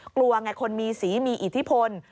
กลัวไงคนมีสีมีอิทธิพล